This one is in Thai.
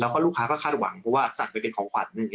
แล้วก็ลูกค้าก็คาดหวังเพราะว่าสัตว์ไปเป็นของขวัญ